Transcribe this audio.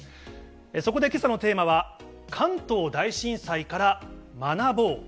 そこでけさのテーマは、関東大震災から学ぼう。